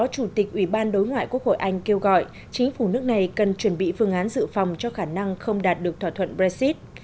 chủ tịch ủy ban đối ngoại quốc hội anh kêu gọi chính phủ nước này cần chuẩn bị phương án dự phòng cho khả năng không đạt được thỏa thuận brexit